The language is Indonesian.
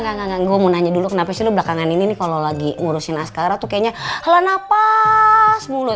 nggak nggak nggak gue mau nanya dulu kenapa sih lu belakangan ini nih kalau lagi ngurusin askara tuh kayaknya helah napas mulut